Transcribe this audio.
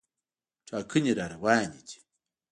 ټاکنې راروانې دي.